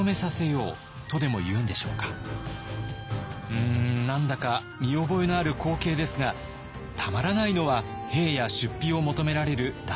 うん何だか見覚えのある光景ですがたまらないのは兵や出費を求められる大名たち。